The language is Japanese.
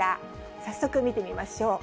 早速見てみましょう。